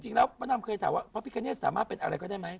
พระดำเคยถามว่าพระพิคเนธสามารถเป็นอะไรก็ได้ไหม